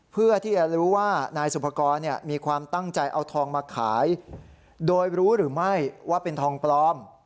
เพื่อที่จะรู้ว่านายสุภกรมีความตั้งใจเอาทองมาขายโดยรู้หรือไม่ว่าเป็นทองปลอม